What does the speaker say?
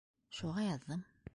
Шуға яҙҙым.